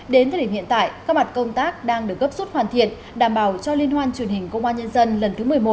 đến thời điểm hiện tại các mặt công tác đang được gấp rút hoàn thiện đảm bảo cho liên hoan truyền hình công an nhân dân lần thứ một mươi một